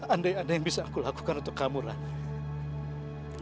andai andai bisa aku lakukan untuk kamu ran